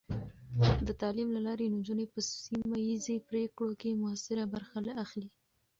د تعلیم له لارې، نجونې په سیمه ایزې پرېکړو کې مؤثره برخه اخلي.